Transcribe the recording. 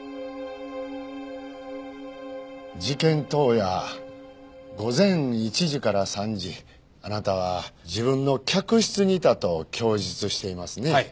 事件当夜午前１時から３時あなたは自分の客室にいたと供述していますね？